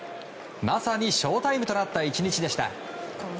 まさにショウタイムとなった一日でした。